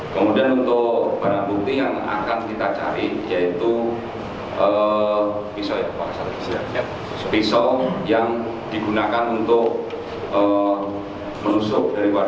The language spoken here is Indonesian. kemudian untuk barang bukti yang akan kita cari yaitu pisau yang digunakan untuk menusuk dari warga